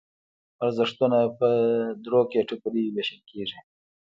ارزښتونه په دریو کټګوریو ویشل کېږي.